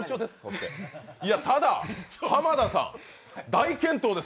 ただ、濱田さん、大健闘です。